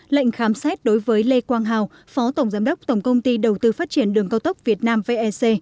lệnh khám xét đối với lê quang hào phó tổng giám đốc tổng công ty đầu tư phát triển đường cao tốc việt nam vec